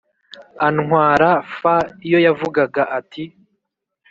antwara f Iyo yavugaga ati